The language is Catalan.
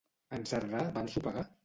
En Cerdà va ensopegar?